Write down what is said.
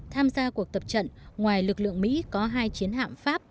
tham gia cuộc tập trận ngoài lực lượng mỹ có hai chiến hạm pháp